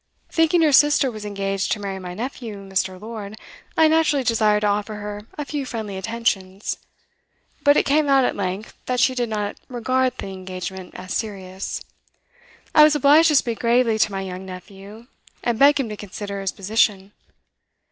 Thinking your sister was engaged to marry my nephew, Mr. Lord, I naturally desired to offer her a few friendly attentions. But it came out, at length, that she did not regard the engagement as serious. I was obliged to speak gravely to my young nephew, and beg him to consider his position.